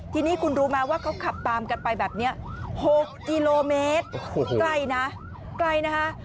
ทีนี้คุณรู้ไหมว่าเขาขับตามกันไปแบบนี้๖กิโลเมตรไกลนะไกลนะคะ